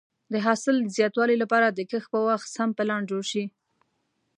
د حاصل د زیاتوالي لپاره د کښت په وخت سم پلان جوړ شي.